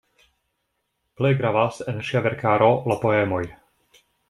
Plej gravas en ŝia verkaro la poemoj.